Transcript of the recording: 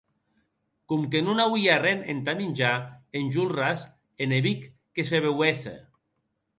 Coma que non auie arren entà minjar, Enjolras enebic que se beuesse.